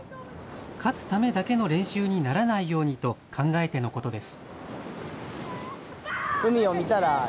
勝つためだけの練習にならないようにと考えてのことです。